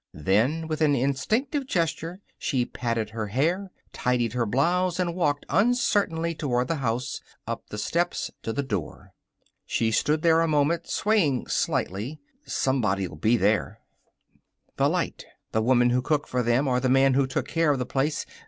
Then, with an instinctive gesture, she patted her hair, tidied her blouse, and walked uncertainly toward the house, up the steps to the door. She stood there a moment, swaying slightly. Somebody'd be there. The light. The woman who cooked for them or the man who took care of the place.